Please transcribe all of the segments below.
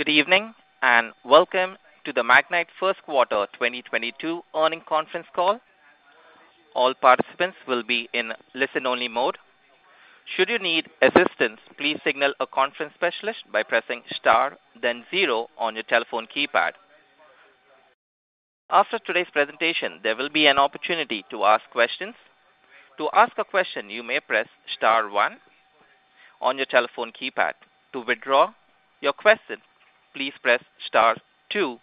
Good evening, and welcome to the Magnite first quarter 2022 earnings conference call. All participants will be in listen only mode. Should you need assistance, please signal a conference specialist by pressing star then zero on your telephone keypad. After today's presentation, there will be an opportunity to ask questions. To ask a question, you may press star one on your telephone keypad. To withdraw your question, please press star two.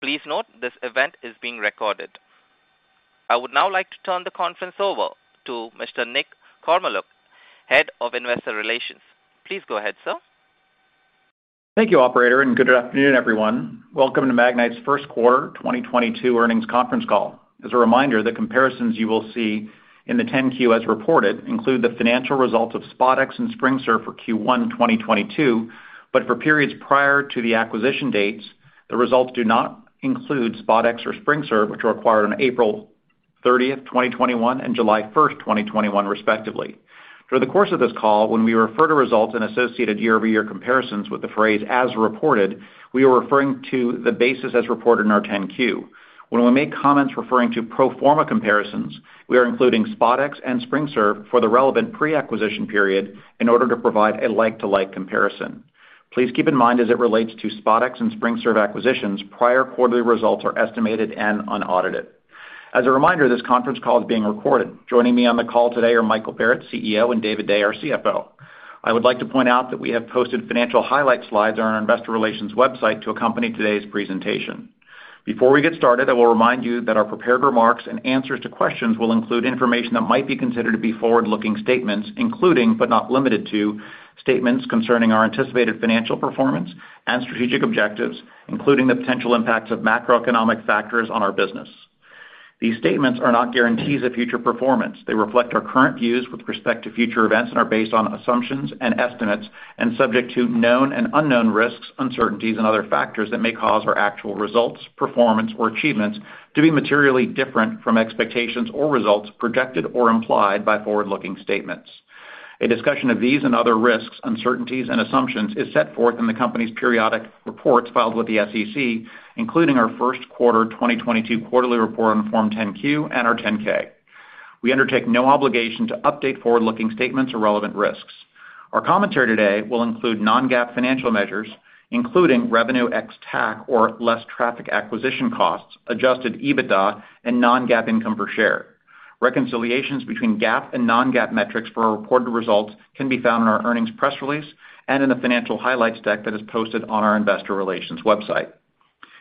Please note this event is being recorded. I would now like to turn the conference over to Mr. Nick Kormeluk, Head of Investor Relations. Please go ahead, sir. Thank you, operator, and good afternoon, everyone. Welcome to Magnite's first quarter 2022 earnings conference call. As a reminder, the comparisons you will see in the 10-Q as reported include the financial results of SpotX and SpringServe for Q1 2022, but for periods prior to the acquisition dates, the results do not include SpotX or SpringServe, which were acquired on April 30, 2021 and July 1, 2021, respectively. Through the course of this call, when we refer to results and associated year-over-year comparisons with the phrase as reported, we are referring to the basis as reported in our 10-Q. When we make comments referring to pro forma comparisons, we are including SpotX and SpringServe for the relevant pre-acquisition period in order to provide a like-to-like comparison. Please keep in mind as it relates to SpotX and SpringServe acquisitions, prior quarterly results are estimated and unaudited. As a reminder, this conference call is being recorded. Joining me on the call today are Michael Barrett, CEO, and David Day, our CFO. I would like to point out that we have posted financial highlight slides on our investor relations website to accompany today's presentation. Before we get started, I will remind you that our prepared remarks and answers to questions will include information that might be considered to be forwardlooking statements including but not limited to statements concerning our anticipated financial performance and strategic objectives, including the potential impacts of macroeconomic factors on our business. These statements are not guarantees of future performance. They reflect our current views with respect to future events and are based on assumptions and estimates and subject to known and unknown risks, uncertainties and other factors that may cause our actual results, performance or achievements to be materially different from expectations or results projected or implied by forward-looking statements. A discussion of these and other risks, uncertainties and assumptions is set forth in the company's periodic reports filed with the SEC, including our first quarter 2022 quarterly report on Form 10-Q and our 10-K. We undertake no obligation to update forward-looking statements or relevant risks. Our commentary today will include non-GAAP financial measures, including revenue ex-TAC or less traffic acquisition costs, Adjusted EBITDA and non-GAAP income per share. Reconciliations between GAAP and non-GAAP metrics for our reported results can be found in our earnings press release and in the financial highlights deck that is posted on our investor relations website.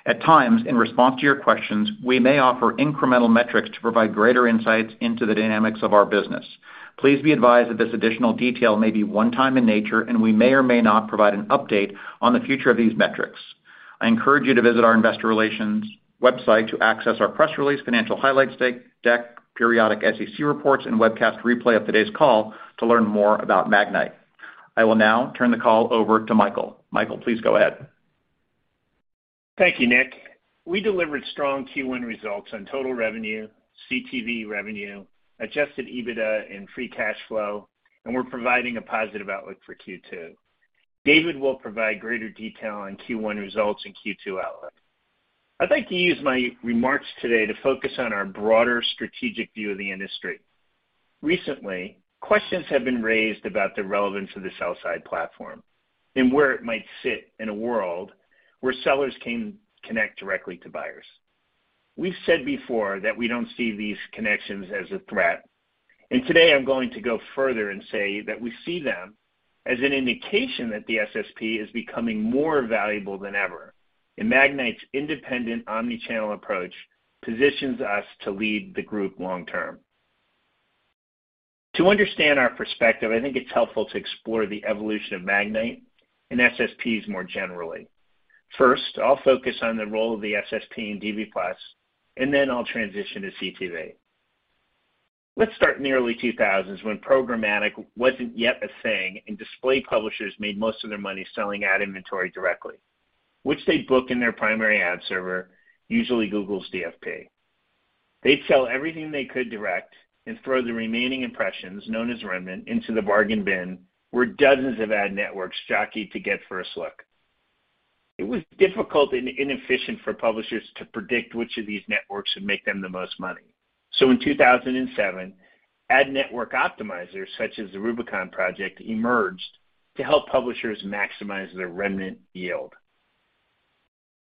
At times, in response to your questions, we may offer incremental metrics to provide greater insights into the dynamics of our business. Please be advised that this additional detail may be one time in nature, and we may or may not provide an update on the future of these metrics. I encourage you to visit our investor relations website to access our press release, financial highlights deck, periodic SEC reports and webcast replay of today's call to learn more about Magnite. I will now turn the call over to Michael. Michael, please go ahead. Thank you, Nick. We delivered strong Q1 results on total revenue, CTV revenue, Adjusted EBITDA and free cash flow, and we're providing a positive outlook for Q2. David will provide greater detail on Q1 results and Q2 outlook. I'd like to use my remarks today to focus on our broader strategic view of the industry. Recently, questions have been raised about the relevance of the sell-side platform and where it might sit in a world where sellers can connect directly to buyers. We've said before that we don't see these connections as a threat, and today I'm going to go further and say that we see them as an indication that the SSP is becoming more valuable than ever, and Magnite's independent omni-channel approach positions us to lead the group long term. To understand our perspective, I think it's helpful to explore the evolution of Magnite and SSPs more generally. First, I'll focus on the role of the SSP in DV+, and then I'll transition to CTV. Let's start in the early 2000s when programmatic wasn't yet a thing and display publishers made most of their money selling ad inventory directly, which they book in their primary ad server, usually Google's DFP. They'd sell everything they could direct and throw the remaining impressions, known as remnant, into the bargain bin, where dozens of ad networks jockey to get first look. It was difficult and inefficient for publishers to predict which of these networks would make them the most money. In 2007, ad network optimizers such as the Rubicon Project emerged to help publishers maximize their remnant yield.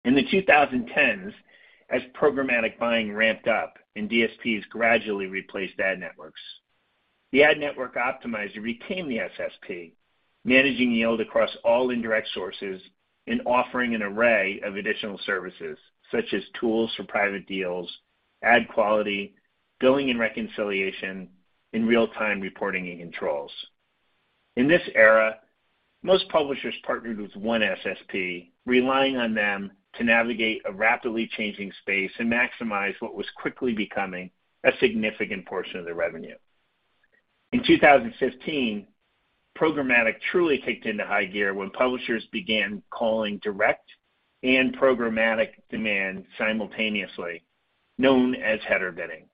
In the 2010s, as programmatic buying ramped up and DSPs gradually replaced ad networks, the ad network optimizer retained the SSP, managing yield across all indirect sources and offering an array of additional services, such as tools for private deals, ad quality, billing and reconciliation, real-time reporting, and controls. In this era, most publishers partnered with one SSP, relying on them to navigate a rapidly changing space and maximize what was quickly becoming a significant portion of their revenue. In 2015, programmatic truly kicked into high gear when publishers began calling direct and programmatic demand simultaneously, known as header bidding.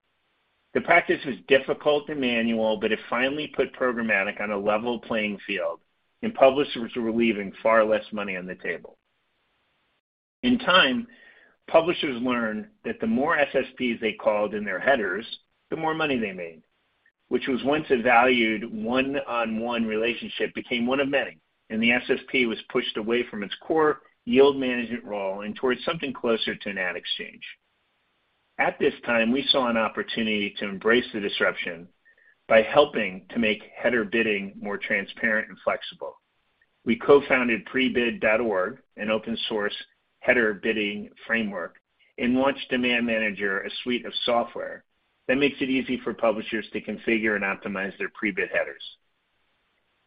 The practice was difficult and manual, but it finally put programmatic on a level playing field, and publishers were leaving far less money on the table. In time, publishers learned that the more SSPs they called in their headers, the more money they made. Which was once a valued one-on-one relationship became one of many, and the SSP was pushed away from its core yield management role and towards something closer to an ad exchange. At this time, we saw an opportunity to embrace the disruption by helping to make header bidding more transparent and flexible. We co-founded Prebid.org, an open source header bidding framework, and launched Demand Manager, a suite of software that makes it easy for publishers to configure and optimize their Prebid headers.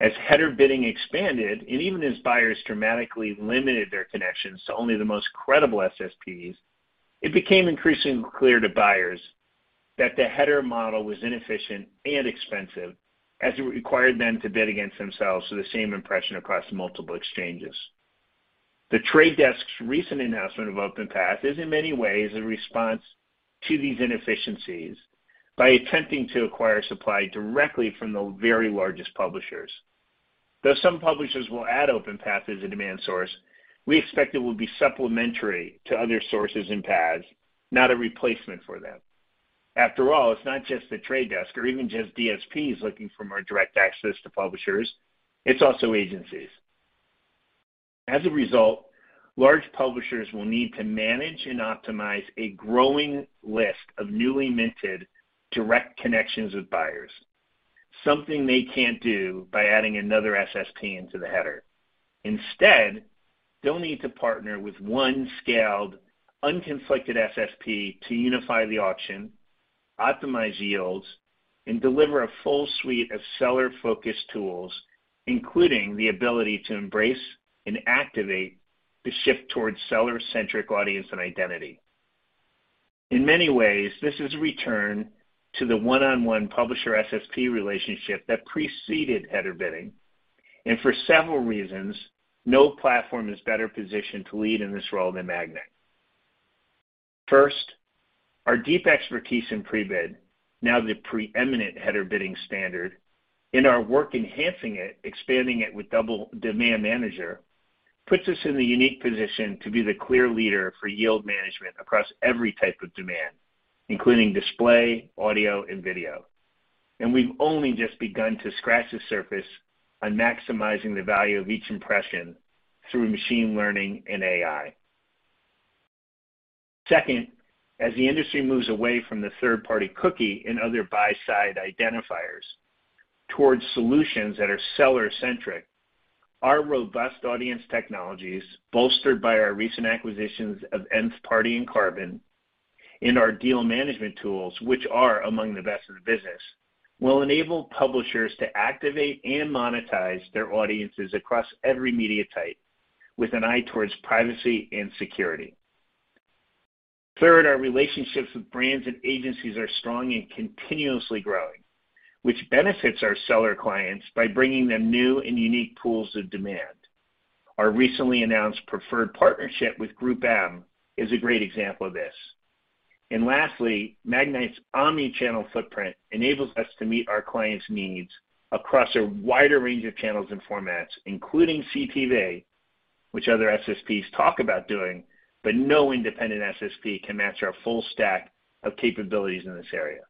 As header bidding expanded, and even as buyers dramatically limited their connections to only the most credible SSPs, it became increasingly clear to buyers that the header model was inefficient and expensive as it required them to bid against themselves for the same impression across multiple exchanges. The Trade Desk's recent announcement of OpenPath is in many ways a response to these inefficiencies by attempting to acquire supply directly from the very largest publishers. Though some publishers will add OpenPath as a demand source, we expect it will be supplementary to other sources and paths, not a replacement for them. After all, it's not just The Trade Desk or even just DSPs looking for more direct access to publishers, it's also agencies. As a result, large publishers will need to manage and optimize a growing list of newly minted direct connections with buyers, something they can't do by adding another SSP into the header. Instead, they'll need to partner with one scaled, unconflicted SSP to unify the auction, optimize yields, and deliver a full suite of seller-focused tools, including the ability to embrace and activate the shift towards seller-centric audience and identity. In many ways, this is a return to the one-on-one publisher SSP relationship that preceded header bidding. For several reasons, no platform is better positioned to lead in this role than Magnite. First, our deep expertise in Prebid, now the preeminent header bidding standard, and our work enhancing it, expanding it with Demand Manager, puts us in the unique position to be the clear leader for yield management across every type of demand, including display, audio, and video. We've only just begun to scratch the surface on maximizing the value of each impression through machine learning and AI. Second, as the industry moves away from the third-party cookie and other buy-side identifiers towards solutions that are seller-centric, our robust audience technologies, bolstered by our recent acquisitions of Nth Party and Carbon, and our deal management tools, which are among the best in the business, will enable publishers to activate and monetize their audiences across every media type with an eye towards privacy and security. Third, our relationships with brands and agencies are strong and continuously growing, which benefits our seller clients by bringing them new and unique pools of demand. Our recently announced preferred partnership with GroupM is a great example of this. Lastly, Magnite's omni-channel footprint enables us to meet our clients' needs across a wider range of channels and formats, including CTV, which other SSPs talk about doing, but no independent SSP can match our full stack of capabilities in this area.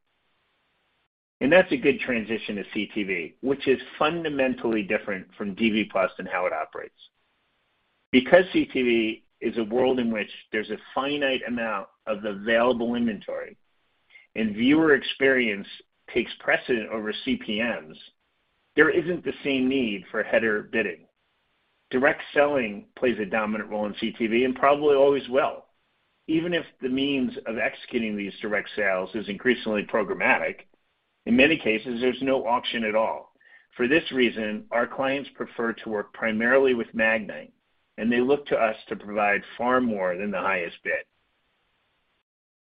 That's a good transition to CTV, which is fundamentally different from DV+ and how it operates. Because CTV is a world in which there's a finite amount of available inventory and viewer experience takes precedent over CPMs, there isn't the same need for header bidding. Direct selling plays a dominant role in CTV and probably always will. Even if the means of executing these direct sales is increasingly programmatic, in many cases, there's no auction at all. For this reason, our clients prefer to work primarily with Magnite, and they look to us to provide far more than the highest bid.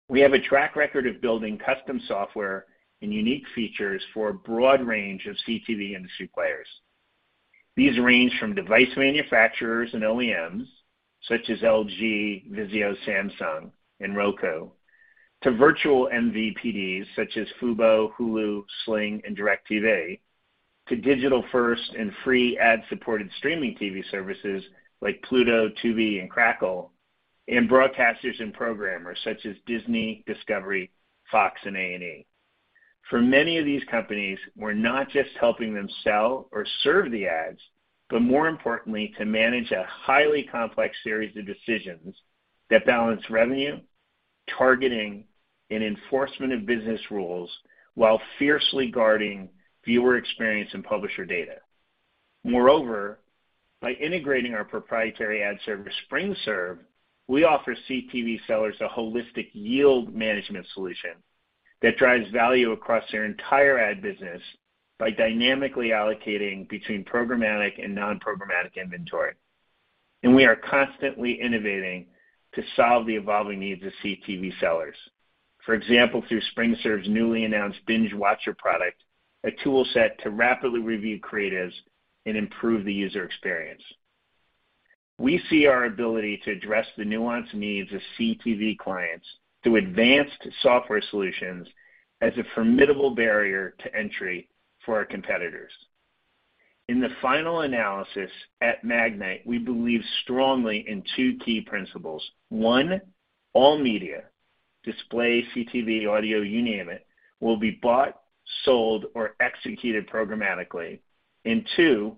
We have a track record of building custom software and unique features for a broad range of CTV industry players. These range from device manufacturers and OEMs, such as LG, Vizio, Samsung, and Roku, to virtual MVPDs, such as Fubo, Hulu, Sling, and DirecTV, to digital first and free ad-supported streaming TV services like Pluto, Tubi, and Crackle, and broadcasters and programmers such as Disney, Discovery, Fox, and A&E. For many of these companies, we're not just helping them sell or serve the ads, but more importantly, to manage a highly complex series of decisions that balance revenue, targeting, and enforcement of business rules while fiercely guarding viewer experience and publisher data. Moreover, by integrating our proprietary ad service, SpringServe, we offer CTV sellers a holistic yield management solution that drives value across their entire ad business by dynamically allocating between programmatic and non-programmatic inventory. We are constantly innovating to solve the evolving needs of CTV sellers. For example, through SpringServe's newly announced BingeWatcher product, a tool set to rapidly review creatives and improve the user experience. We see our ability to address the nuanced needs of CTV clients through advanced software solutions as a formidable barrier to entry for our competitors. In the final analysis at Magnite, we believe strongly in two key principles. One, all media display CTV, audio, you name it, will be bought, sold, or executed programmatically. Two,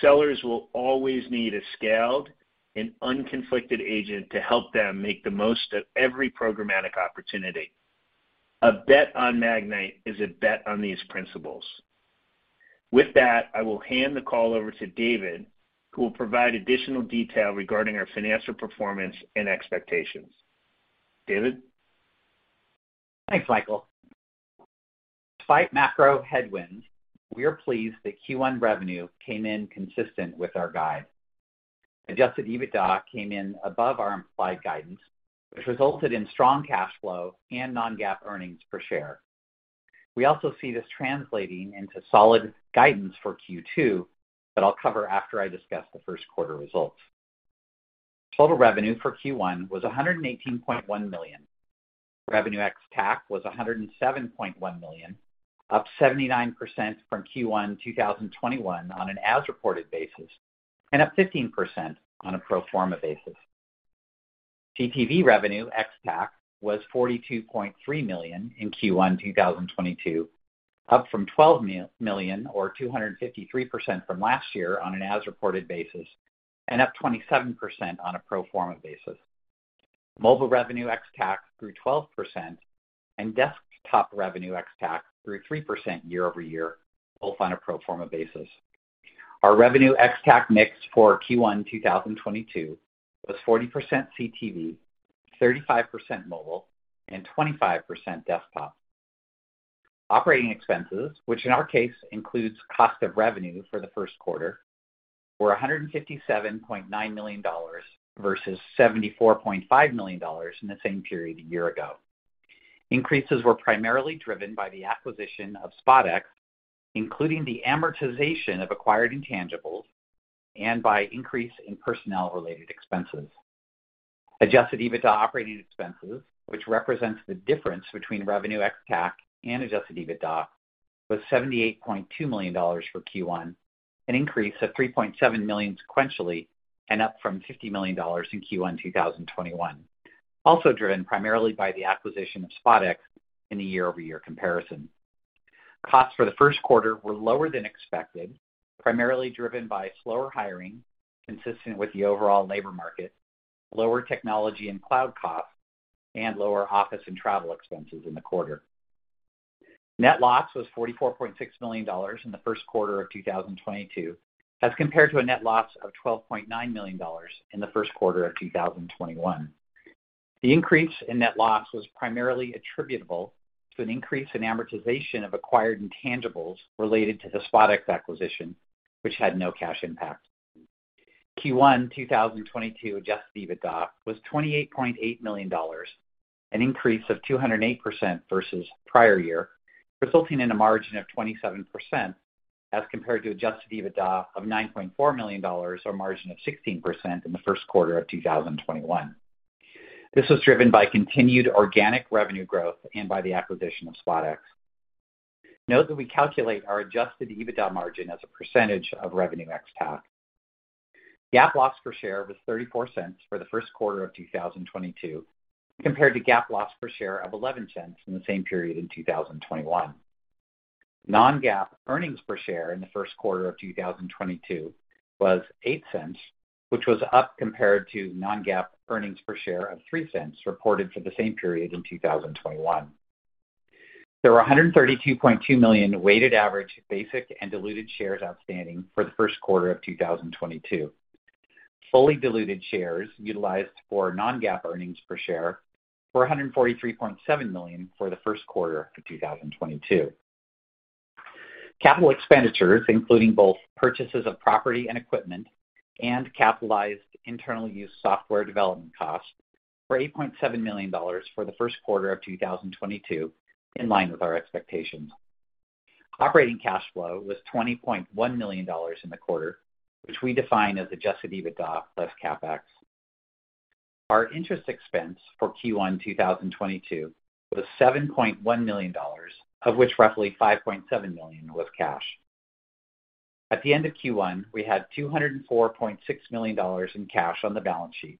sellers will always need a scaled and unconflicted agent to help them make the most of every programmatic opportunity. A bet on Magnite is a bet on these principles. With that, I will hand the call over to David, who will provide additional detail regarding our financial performance and expectations. David? Thanks, Michael. Despite macro headwinds, we are pleased that Q1 revenue came in consistent with our guide. Adjusted EBITDA came in above our implied guidance, which resulted in strong cash flow and non-GAAP earnings per share. We also see this translating into solid guidance for Q2 that I'll cover after I discuss the first quarter results. Total revenue for Q1 was $118.1 million. Revenue ex-TAC was $107.1 million, up 79% from Q1 2021 on an as-reported basis, and up 15% on a pro forma basis. CTV revenue ex-TAC was $42.3 million in Q1 2022, up from $12 million, or 253% from last year on an as-reported basis and up 27% on a pro forma basis. Mobile revenue ex-TAC grew 12%, and desktop revenue ex-TAC grew 3% year-over-year, both on a pro forma basis. Our revenue ex-TAC mix for Q1 2022 was 40% CTV, 35% mobile, and 25% desktop. Operating expenses, which in our case includes cost of revenue for the first quarter, were $157.9 million versus $74.5 million in the same period a year ago. Increases were primarily driven by the acquisition of SpotX, including the amortization of acquired intangibles and by increase in personnel-related expenses. Adjusted EBITDA operating expenses, which represents the difference between revenue ex-TAC and adjusted EBITDA, was $78.2 million for Q1, an increase of $3.7 million sequentially, and up from $50 million in Q1 2021, also driven primarily by the acquisition of SpotX in a year-over-year comparison. Costs for the first quarter were lower than expected, primarily driven by slower hiring, consistent with the overall labor market, lower technology and cloud costs, and lower office and travel expenses in the quarter. Net loss was $44.6 million in the first quarter of 2022, as compared to a net loss of $12.9 million in the first quarter of 2021. The increase in net loss was primarily attributable to an increase in amortization of acquired intangibles related to the SpotX acquisition, which had no cash impact. Q1 2022 adjusted EBITDA was $28.8 million, an increase of 208% versus prior year, resulting in a margin of 27% as compared to adjusted EBITDA of $9.4 million, or margin of 16% in the first quarter of 2021. This was driven by continued organic revenue growth and by the acquisition of SpotX. Note that we calculate our adjusted EBITDA margin as a percentage of revenue ex-TAC. GAAP loss per share was $0.34 for the first quarter of 2022 compared to GAAP loss per share of $0.11 in the same period in 2021. non-GAAP earnings per share in the first quarter of 2022 was $0.08, which was up compared to non-GAAP earnings per share of $0.03 reported for the same period in 2021. There were 132.2 million weighted average basic and diluted shares outstanding for the first quarter of 2022. Fully diluted shares utilized for non-GAAP earnings per share were 143.7 million for the first quarter of 2022. Capital expenditures, including both purchases of property and equipment and capitalized internal use software development costs, were $8.7 million for the first quarter of 2022, in line with our expectations. Operating cash flow was $20.1 million in the quarter, which we define as Adjusted EBITDA plus CapEx. Our interest expense for Q1 2022 was $7.1 million, of which roughly $5.7 million was cash. At the end of Q1, we had $204.6 million in cash on the balance sheet.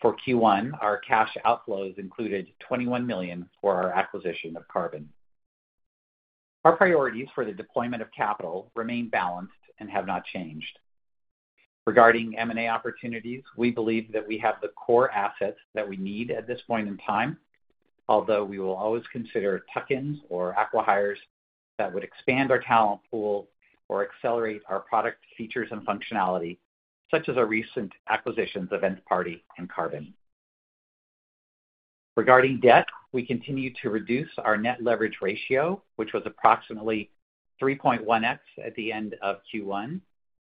For Q1, our cash outflows included $21 million for our acquisition of Carbon. Our priorities for the deployment of capital remain balanced and have not changed. Regarding M&A opportunities, we believe that we have the core assets that we need at this point in time, although we will always consider tuck-ins or acqui-hires that would expand our talent pool or accelerate our product features and functionality, such as our recent acquisitions of Nth Party and Carbon. Regarding debt, we continue to reduce our net leverage ratio, which was approximately 3.1x at the end of Q1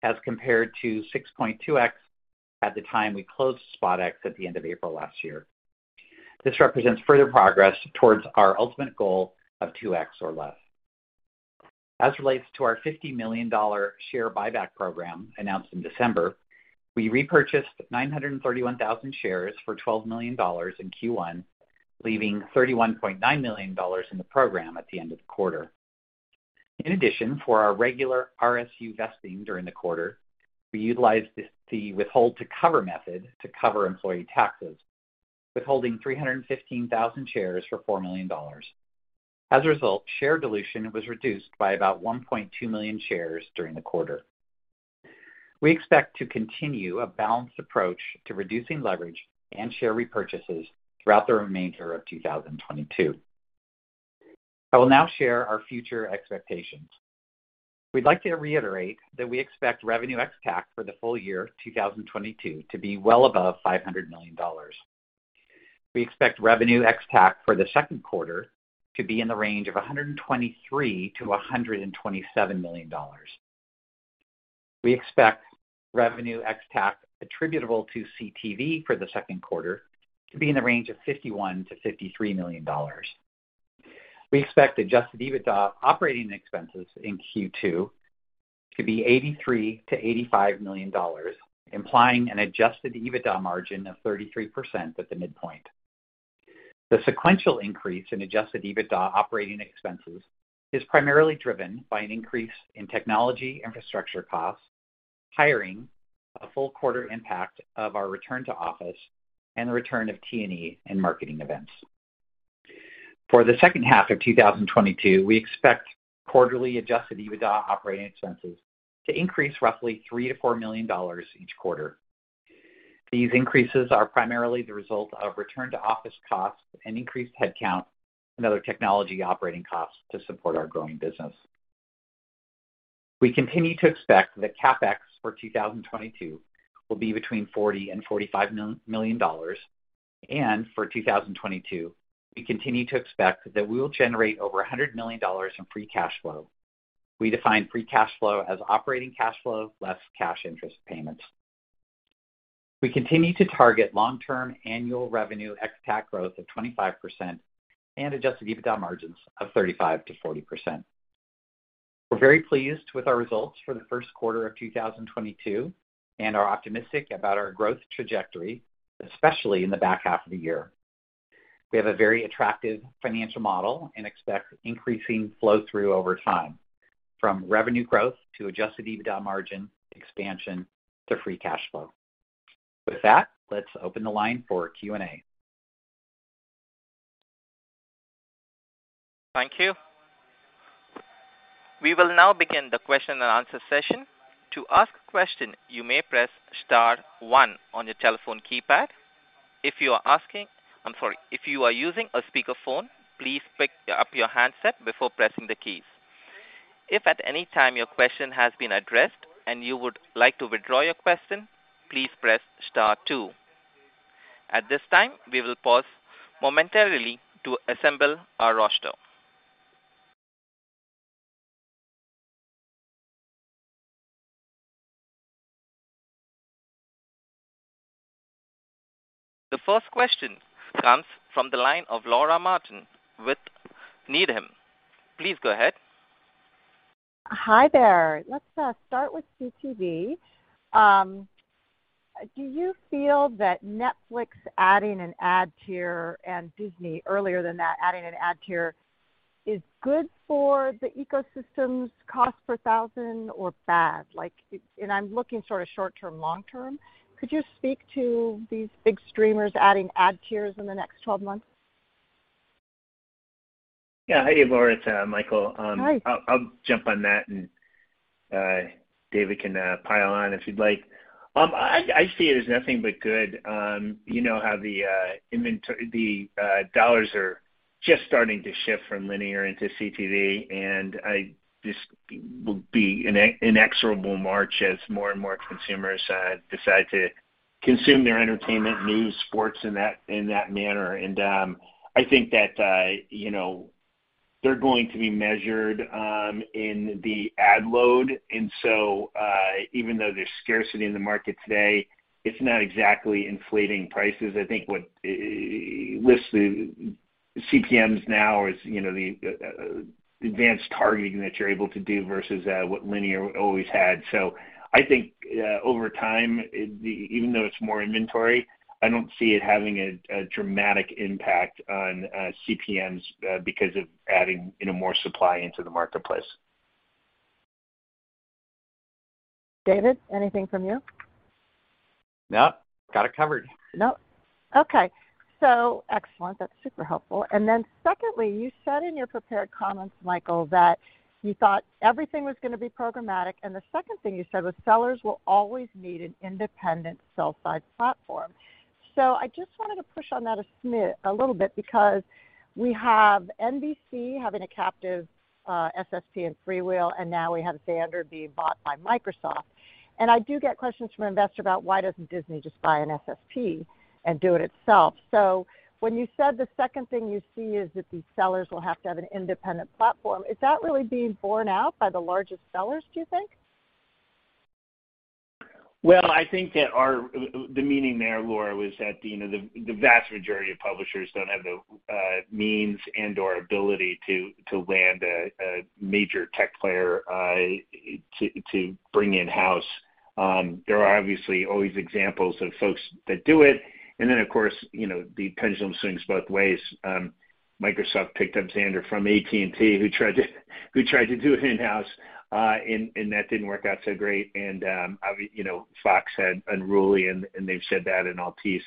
as compared to 6.2x at the time we closed SpotX at the end of April last year. This represents further progress towards our ultimate goal of 2x or less. As it relates to our $50 million share buyback program announced in December, we repurchased 931,000 shares for $12 million in Q1, leaving $31.9 million in the program at the end of the quarter. In addition, for our regular RSU vesting during the quarter, we utilized the withhold-to-cover method to cover employee taxes, withholding 315,000 shares for $4 million. As a result, share dilution was reduced by about 1.2 million shares during the quarter. We expect to continue a balanced approach to reducing leverage and share repurchases throughout the remainder of 2022. I will now share our future expectations. We'd like to reiterate that we expect revenue ex-TAC for the full year 2022 to be well above $500 million. We expect revenue ex-TAC for the second quarter to be in the range of $123 million-$127 million. We expect revenue ex-TAC attributable to CTV for the second quarter to be in the range of $51 million-$53 million. We expect adjusted EBITDA operating expenses in Q2 to be $83 million-$85 million, implying an adjusted EBITDA margin of 33% at the midpoint. The sequential increase in Adjusted EBITDA operating expenses is primarily driven by an increase in technology infrastructure costs, hiring a full quarter impact of our return to office, and the return of T&E and marketing events. For the second half of 2022, we expect quarterly Adjusted EBITDA operating expenses to increase roughly $3 million-$4 million each quarter. These increases are primarily the result of return to office costs and increased headcount and other technology operating costs to support our growing business. We continue to expect that CapEx for 2022 will be between $40 million-$45 million. For 2022, we continue to expect that we will generate over $100 million in free cash flow. We define free cash flow as operating cash flow less cash interest payments. We continue to target long-term annual revenue ex-TAC growth of 25% and Adjusted EBITDA margins of 35%-40%. We're very pleased with our results for the first quarter of 2022 and are optimistic about our growth trajectory, especially in the back half of the year. We have a very attractive financial model and expect increasing flow through over time, from revenue growth to Adjusted EBITDA margin expansion to free cash flow. With that, let's open the line for Q&A. Thank you. We will now begin the question and answer session. To ask a question, you may press star one on your telephone keypad. If you are using a speakerphone, please pick up your handset before pressing the keys. If at any time your question has been addressed and you would like to withdraw your question, please press star two. At this time, we will pause momentarily to assemble our roster. The first question comes from the line of Laura Martin with Needham. Please go ahead. Hi there. Let's start with CTV. Do you feel that Netflix adding an ad tier and Disney earlier than that adding an ad tier is good for the ecosystem's cost per thousand or bad? Like, and I'm looking sort of short-term, long-term. Could you speak to these big streamers adding ad tiers in the next 12 months? Yeah. Hey, Laura, it's Michael. Hi. I'll jump on that, and David can pile on if you'd like. I see it as nothing but good. You know how the dollars are just starting to shift from linear into CTV, and it just will be an inexorable march as more and more consumers decide to consume their entertainment, news, sports in that manner. I think that you know, they're going to be measured in the ad load. Even though there's scarcity in the market today, it's not exactly inflating prices. I think what lists the CPMs now is you know, the advanced targeting that you're able to do versus what linear always had. I think, over time, even though it's more inventory, I don't see it having a dramatic impact on CPMs, because of adding in a more supply into the marketplace. David, anything from you? Nope. Got it covered. Nope. Okay. Excellent. That's super helpful. Secondly, you said in your prepared comments, Michael, that you thought everything was gonna be programmatic, and the second thing you said was sellers will always need an independent sell-side platform. I just wanted to push on that a little bit because we have NBC having a captive SSP in FreeWheel, and now we have Xandr being bought by Microsoft. I do get questions from investors about why doesn't Disney just buy an SSP and do it itself. When you said the second thing you see is that these sellers will have to have an independent platform, is that really being borne out by the largest sellers, do you think? Well, I think that the meaning there, Laura, was that, you know, the vast majority of publishers don't have the means and/or ability to land a major tech player to bring in-house. There are obviously always examples of folks that do it. Of course, you know, the pendulum swings both ways. Microsoft picked up Xandr from AT&T, who tried to do it in-house, and that didn't work out so great. You know, Fox had Unruly, and they've shed that, and Altice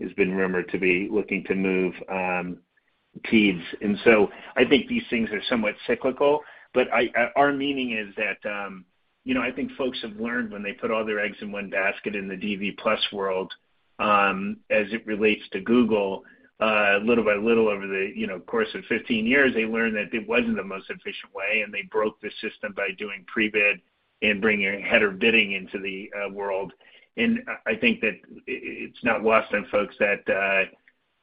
has been rumored to be looking to move Teads. I think these things are somewhat cyclical. Our meaning is that, you know, I think folks have learned when they put all their eggs in one basket in the DV+ world, as it relates to Google, little by little over the course of 15 years, they learned that it wasn't the most efficient way, and they broke the system by doing Prebid and bringing header bidding into the world. I think that it's not lost on folks that,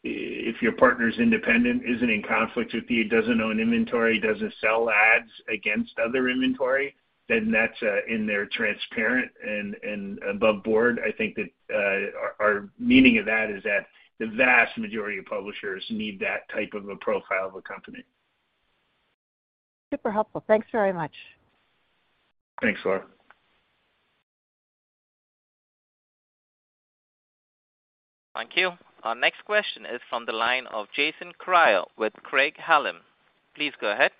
if your partner's independent, isn't in conflict with you, doesn't own inventory, doesn't sell ads against other inventory, then that's inherently transparent and above board. I think that our meaning of that is that the vast majority of publishers need that type of a profile of a company. Super helpful. Thanks very much. Thanks, Laura. Thank you. Our next question is from the line of Jason Kreyer with Craig-Hallum. Please go ahead.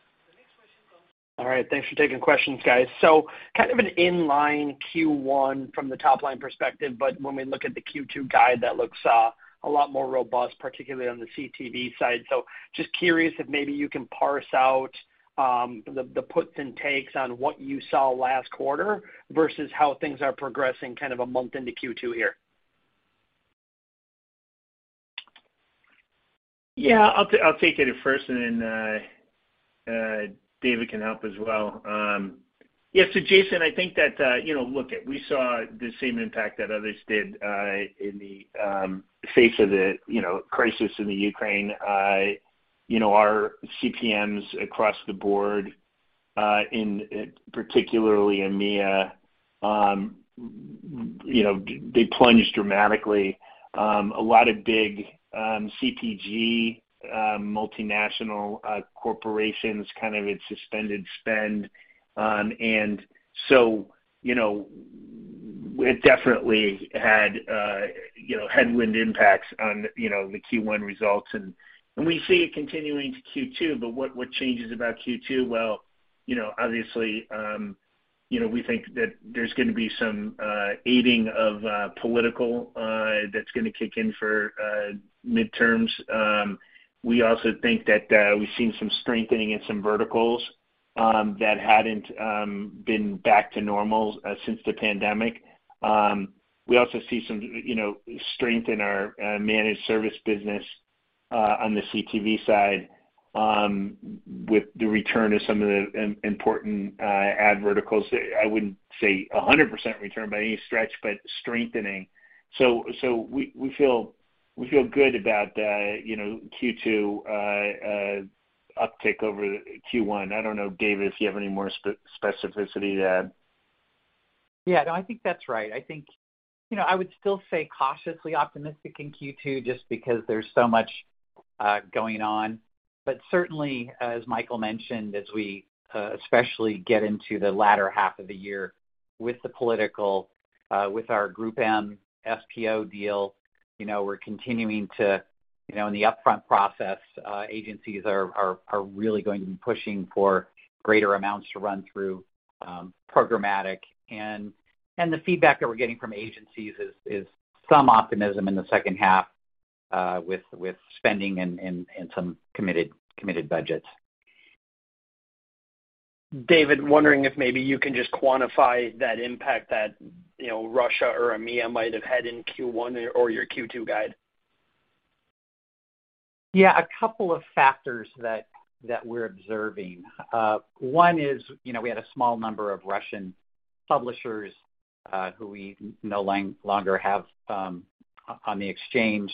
All right. Thanks for taking questions, guys. Kind of an inline Q1 from the top-line perspective, but when we look at the Q2 guide, that looks a lot more robust, particularly on the CTV side. Just curious if maybe you can parse out the puts and takes on what you saw last quarter versus how things are progressing kind of a month into Q2 here. Yeah. I'll take it at first and then David can help as well. Yeah. Jason, I think that you know, look, we saw the same impact that others did in the face of the you know, crisis in the Ukraine. You know, our CPMs across the board particularly in EMEA you know, they plunged dramatically. A lot of big CPG multinational corporations kind of had suspended spend. You know, it definitely had headwind impacts on the Q1 results and we see it continuing to Q2. But what changes about Q2? Well, you know, obviously you know, we think that there's gonna be some adding of political that's gonna kick in for midterms. We also think that we've seen some strengthening in some verticals that hadn't been back to normal since the pandemic. We also see some, you know, strength in our managed service business on the CTV side with the return of some of the important ad verticals. I wouldn't say 100% return by any stretch, but strengthening. We feel good about, you know, Q2 uptick over Q1. I don't know, David, if you have any more specificity to add. Yeah. No, I think that's right. I think, you know, I would still say cautiously optimistic in Q2 just because there's so much going on. Certainly, as Michael mentioned, as we especially get into the latter half of the year with the political with our GroupM SPO deal, you know, we're continuing to, you know, in the upfront process, agencies are really going to be pushing for greater amounts to run through programmatic. The feedback that we're getting from agencies is some optimism in the second half with spending and some committed budgets. David, wondering if maybe you can just quantify that impact that, you know, Russia or EMEA might have had in Q1 or your Q2 guide? Yeah. A couple of factors that we're observing. One is, you know, we had a small number of Russian publishers who we no longer have on the exchange.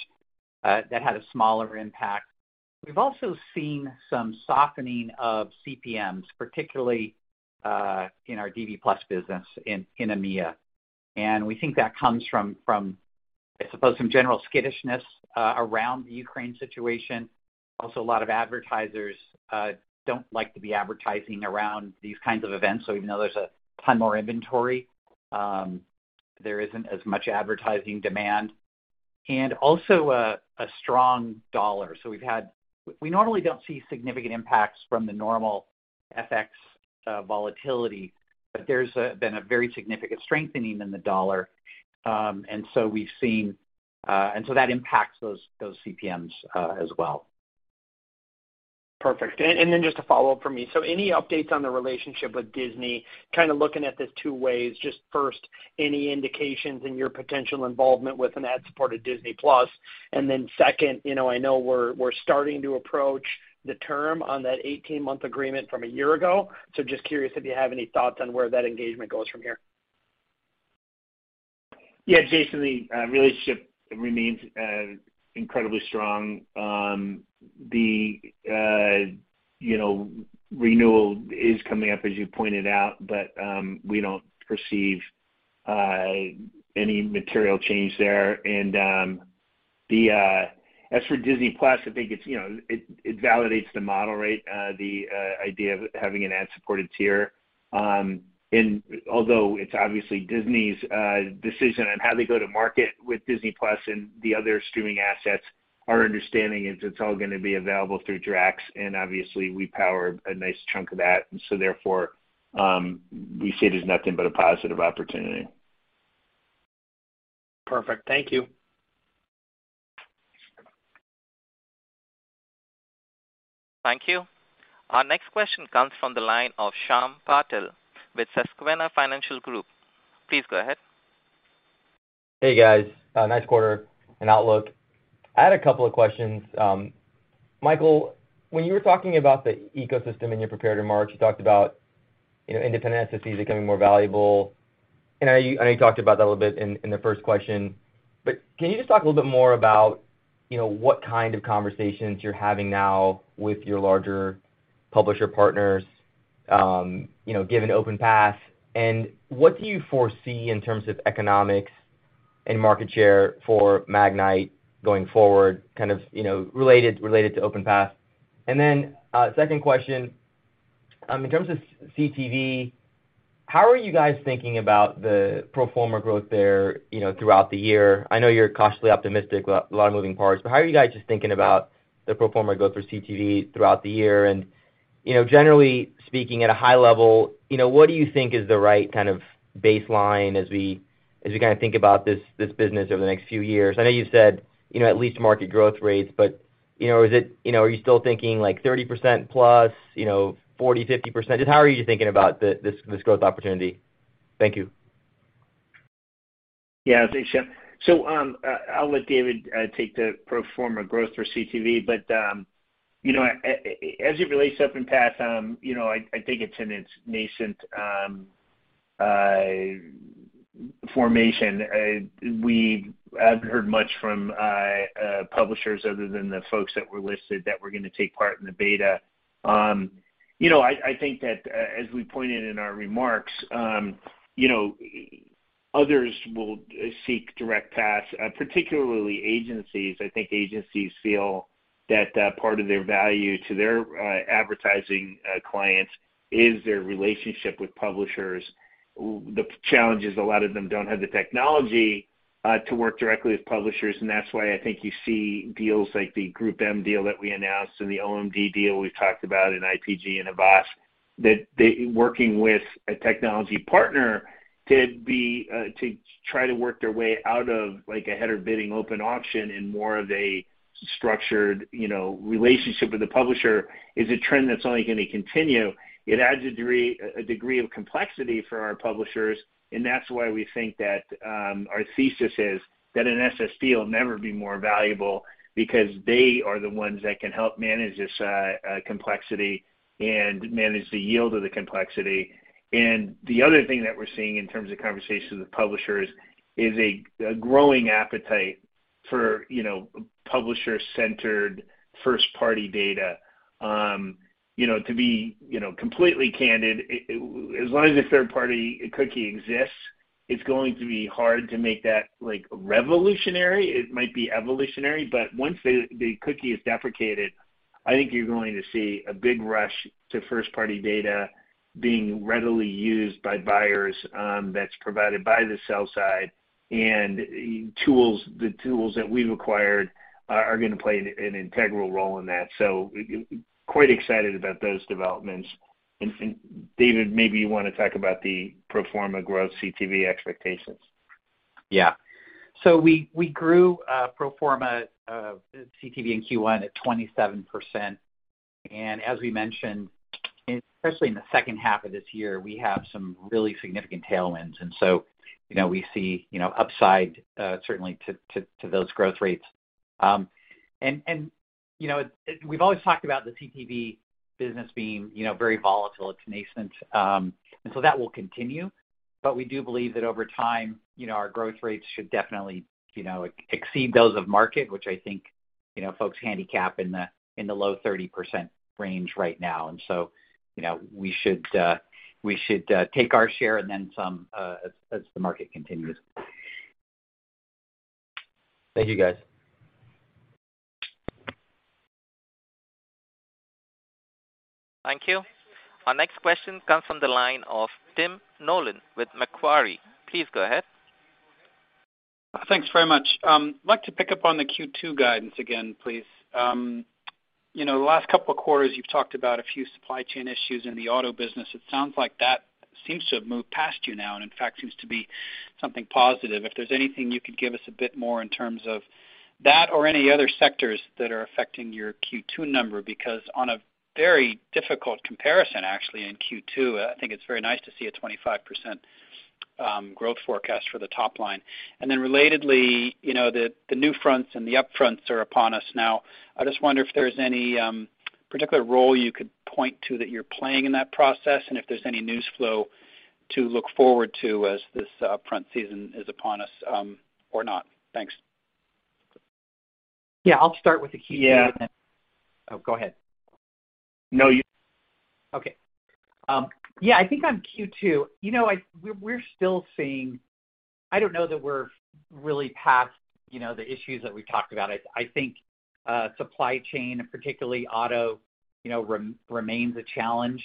That had a smaller impact. We've also seen some softening of CPMs, particularly in our DV+ business in EMEA, and we think that comes from, I suppose, some general skittishness around the Ukraine situation. A lot of advertisers don't like to be advertising around these kinds of events. Even though there's a ton more inventory, there isn't as much advertising demand. A strong dollar. We've had we normally don't see significant impacts from the normal FX volatility, but there's been a very significant strengthening in the dollar. We've seen, and so that impacts those CPMs as well. Perfect. Just a follow-up from me. Any updates on the relationship with Disney? Kinda looking at this two ways. Just first, any indications in your potential involvement with an ad-supported Disney+? Then second, you know, I know we're starting to approach the term on that 18-month agreement from a year ago. Just curious if you have any thoughts on where that engagement goes from here. Yeah, Jason, the relationship remains incredibly strong. The, you know, renewal is coming up as you pointed out, but we don't perceive any material change there. As for Disney+, I think it's, you know, it validates the model, right, the idea of having an ad-supported tier. Although it's obviously Disney's decision on how they go to market with Disney+ and the other streaming assets, our understanding is it's all gonna be available through DV+, and obviously we power a nice chunk of that. Therefore, we see it as nothing but a positive opportunity. Perfect. Thank you. Thank you. Our next question comes from the line of Shyam Patil with Susquehanna Financial Group. Please go ahead. Hey, guys. Nice quarter and outlook. I had a couple of questions. Michael, when you were talking about the ecosystem in your prepared remarks, you talked about, you know, independent SSPs becoming more valuable. I know you talked about that a little bit in the first question. Can you just talk a little bit more about, you know, what kind of conversations you're having now with your larger publisher partners, you know, given OpenPath? And what do you foresee in terms of economics and market share for Magnite going forward, kind of, you know, related to OpenPath? Second question, in terms of CTV, how are you guys thinking about the pro forma growth there, you know, throughout the year? I know you're cautiously optimistic, lot of moving parts. How are you guys just thinking about the pro forma growth for CTV throughout the year? You know, generally speaking at a high level, you know, what do you think is the right kind of baseline as we kind of think about this business over the next few years? I know you said, you know, at least market growth rates, but, you know, is it? You know, are you still thinking like 30% plus, you know, 40, 50%? Just how are you thinking about this growth opportunity? Thank you. Yeah. Thanks, Shyam. I'll let David take the pro forma growth for CTV. You know, as it relates to OpenPath, you know, I think it's in its nascent formation. We haven't heard much from publishers other than the folks that were listed that were gonna take part in the beta. You know, I think that, as we pointed in our remarks, you know, others will seek direct paths, particularly agencies. I think agencies feel that part of their value to their advertising clients is their relationship with publishers. The challenge is a lot of them don't have the technology to work directly with publishers, and that's why I think you see deals like the GroupM deal that we announced and the OMD deal we talked about in IPG and Havas, working with a technology partner to try to work their way out of like a header bidding open auction and more of a structured, you know, relationship with the publisher is a trend that's only gonna continue. It adds a degree of complexity for our publishers, and that's why we think that our thesis is that an SSP will never be more valuable because they are the ones that can help manage this complexity and manage the yield of the complexity. The other thing that we're seeing in terms of conversations with publishers is a growing appetite for, you know, publisher-centered first-party data. You know, to be, you know, completely candid, as long as the third-party cookie exists, it's going to be hard to make that like revolutionary. It might be evolutionary. Once the cookie is deprecated, I think you're going to see a big rush to first-party data being readily used by buyers, that's provided by the sell side. The tools that we've acquired are gonna play an integral role in that. Quite excited about those developments. David, maybe you wanna talk about the pro forma growth CTV expectations. Yeah. We grew pro forma CTV in Q1 at 27%. As we mentioned, especially in the second half of this year, we have some really significant tailwinds. You know, we see you know upside certainly to those growth rates. We've always talked about the CTV business being you know very volatile. It's nascent. That will continue. We do believe that over time you know our growth rates should definitely you know exceed those of market, which I think you know folks handicap in the low 30% range right now. You know, we should take our share and then some as the market continues. Thank you, guys. Thank you. Our next question comes from the line of Tim Nollen with Macquarie. Please go ahead. Thanks very much. I'd like to pick up on the Q2 guidance again, please. You know, the last couple of quarters you've talked about a few supply chain issues in the auto business. It sounds like that seems to have moved past you now, and in fact seems to be something positive. If there's anything you could give us a bit more in terms of that or any other sectors that are affecting your Q2 number, because on a very difficult comparison actually in Q2, I think it's very nice to see a 25% growth forecast for the top line. Relatedly, you know, the NewFronts and the Upfronts are upon us now. I just wonder if there's any particular role you could point to that you're playing in that process, and if there's any news flow to look forward to as this upfront season is upon us, or not? Thanks. Yeah, I'll start with the Q. Yeah. Oh, go ahead. No, you- Okay. Yeah, I think on Q2, you know, we're still seeing. I don't know that we're really past, you know, the issues that we talked about. I think supply chain, and particularly auto, you know, remains a challenge.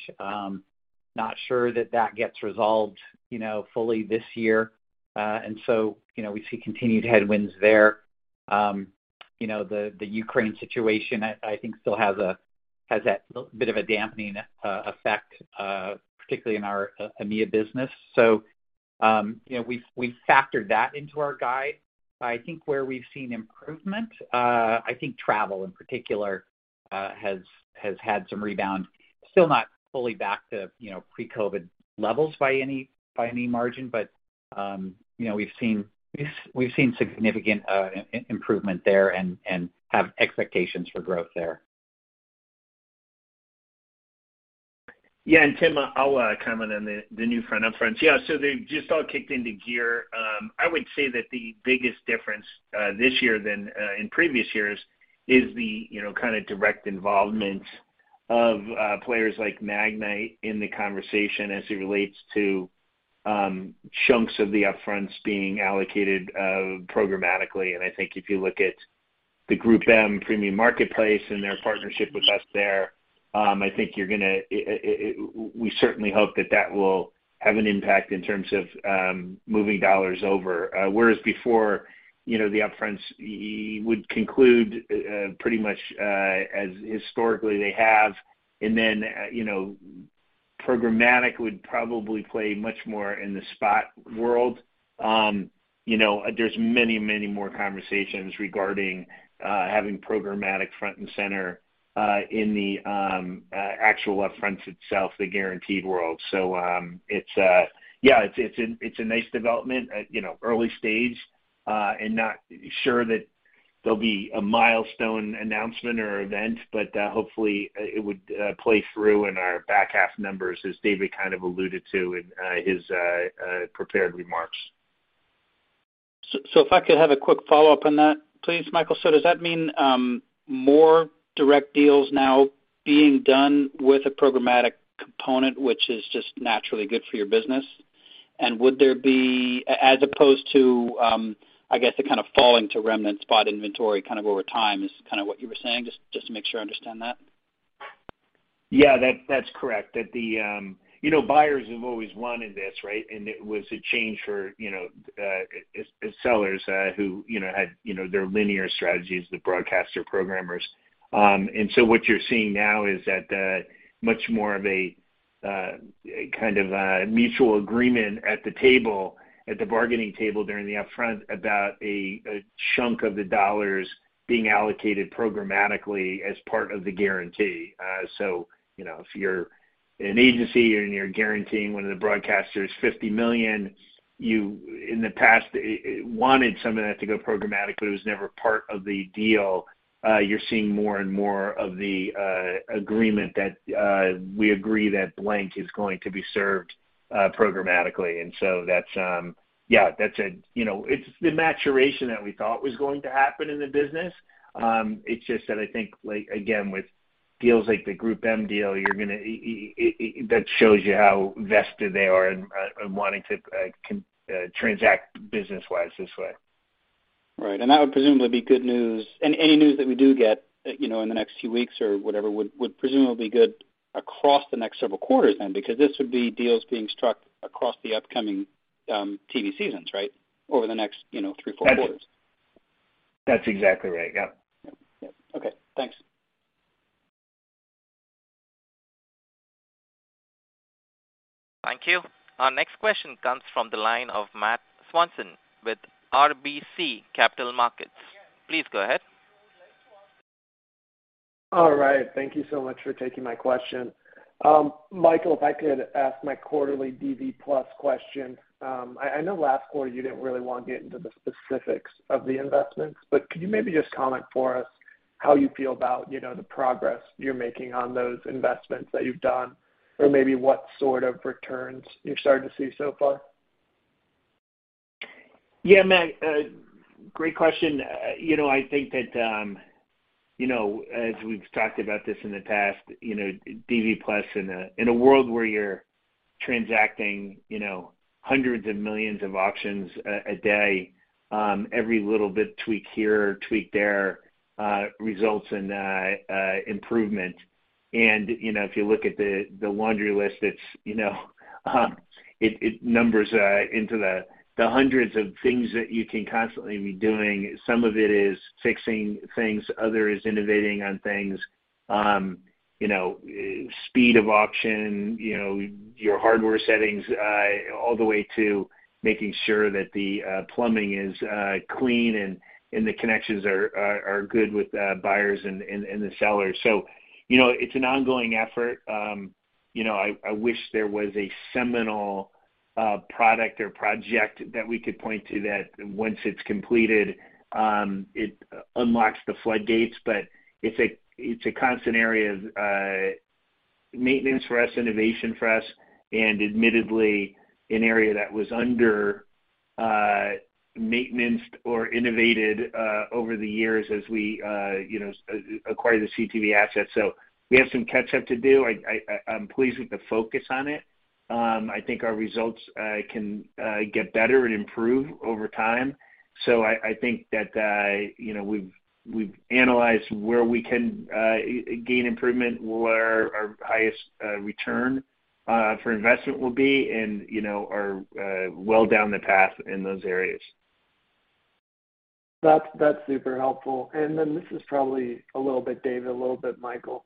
Not sure that that gets resolved, you know, fully this year. You know, we see continued headwinds there. You know, the Ukraine situation I think still has that little bit of a dampening effect, particularly in our EMEA business. You know, we've factored that into our guide. I think where we've seen improvement, I think travel in particular has had some rebound, still not fully back to, you know, pre-COVID levels by any margin. You know, we've seen significant improvement there and have expectations for growth there. Yeah. Tim, I'll comment on the new upfront. Yeah, so they've all just kicked into gear. I would say that the biggest difference this year from in previous years is the, you know, kind of direct involvement of players like Magnite in the conversation as it relates to chunks of the upfronts being allocated programmatically. I think if you look at the GroupM premium marketplace and their partnership with us there, I think we certainly hope that will have an impact in terms of moving dollars over. Whereas before, you know, the upfronts you would conclude pretty much as historically they have. Then, you know, programmatic would probably play much more in the spot world. You know, there's many, many more conversations regarding having programmatic front and center in the actual upfronts itself, the guaranteed world. It's a nice development, you know, early stage, and not sure that there'll be a milestone announcement or event, but hopefully it would play through in our back half numbers as David kind of alluded to in his prepared remarks. If I could have a quick follow-up on that, please, Michael. Does that mean more direct deals now being done with a programmatic component, which is just naturally good for your business? Would there be as opposed to, I guess, it kind of falling to remnant spot inventory kind of over time is kind of what you were saying? Just to make sure I understand that. Yeah. That's correct. The buyers have always wanted this, right? It was a change for, you know, sellers, who, you know, had, you know, their linear strategies with broadcaster programmers. What you're seeing now is that, much more of a kind of a mutual agreement at the table, at the bargaining table during the upfront about a chunk of the dollars being allocated programmatically as part of the guarantee. You know, if you're an agency and you're guaranteeing one of the broadcasters $50 million, you in the past wanted some of that to go programmatically, it was never part of the deal. You're seeing more and more of the agreement that we agree that blank is going to be served programmatically. That's the maturation that we thought was going to happen in the business. It's just that I think, like, again, with deals like the GroupM deal, that shows you how vested they are in wanting to transact business-wise this way. Right. That would presumably be good news. Any news that we do get, you know, in the next few weeks or whatever, would presumably be good across the next several quarters then, because this would be deals being struck across the upcoming TV seasons, right? Over the next, you know, three, four quarters. That's exactly right. Yep. Yep. Okay. Thanks. Thank you. Our next question comes from the line of Matthew Swanson with RBC Capital Markets. Please go ahead. All right. Thank you so much for taking my question. Michael, if I could ask my quarterly DV+ question. I know last quarter you didn't really want to get into the specifics of the investments, but could you maybe just comment for us how you feel about, you know, the progress you're making on those investments that you've done or maybe what sort of returns you're starting to see so far? Yeah, Matt, great question. You know, I think that, you know, as we've talked about this in the past, you know, DV+ in a world where you're transacting, you know, hundreds of millions of auctions a day, every little bit tweak here, tweak there, results in improvement. You know, if you look at the laundry list, it's, you know, it numbers into the hundreds of things that you can constantly be doing. Some of it is fixing things, other is innovating on things. You know, speed of auction, you know, your hardware settings, all the way to making sure that the plumbing is clean and the connections are good with buyers and the sellers. You know, it's an ongoing effort. You know, I wish there was a seminal product or project that we could point to that once it's completed, it unlocks the floodgates, but it's a constant area of maintenance for us, innovation for us, and admittedly an area that was under-maintained or under-innovated over the years as we, you know, acquire the CTV assets. We have some catch-up to do. I'm pleased with the focus on it. I think our results can get better and improve over time. I think that, you know, we've analyzed where we can gain improvement, where our highest return for investment will be and, you know, are well down the path in those areas. That's super helpful. This is probably a little bit David, a little bit Michael.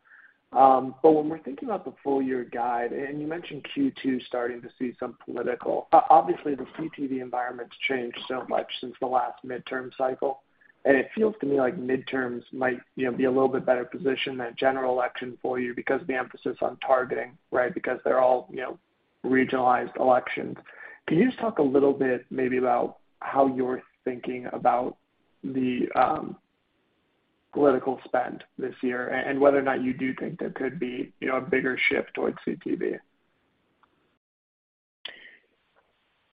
When we're thinking about the full year guide, you mentioned Q2 starting to see some political. Obviously, the CTV environment's changed so much since the last midterm cycle, and it feels to me like midterms might, you know, be a little bit better position than general election for you because the emphasis on targeting, right? Because they're all, you know, regionalized elections. Can you just talk a little bit maybe about how you're thinking about the, political spend this year and whether or not you do think there could be, you know, a bigger shift towards CTV?